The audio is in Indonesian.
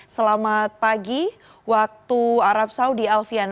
selamat pagi waktu arab saudi alfian